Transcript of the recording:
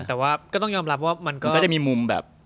แต่ว่าก็ต้องยอมรับว่ามันก็จะมีมุมแบบ